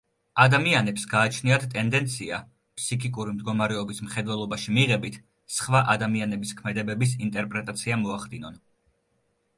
ადამიანებს გააჩნიათ ტენდენცია ფსიქიკური მდგომარეობის მხედველობაში მიღებით სხვა ადამიანების ქმედებების ინტერპრეტაცია მოახდინონ.